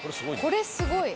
これすごい。